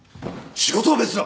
仕事は別だ。